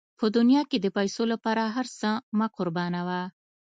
په دنیا کې د پیسو لپاره هر څه مه قربانوه.